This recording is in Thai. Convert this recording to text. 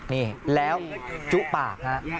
นี่แล้วจุปากฮะ